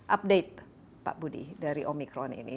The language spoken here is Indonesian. update pak budi dari omikron ini